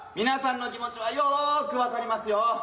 皆さんの気持ちはよく分かりますよ。